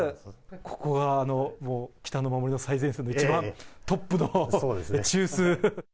ここが北の守りの最前線の一番トップの中枢。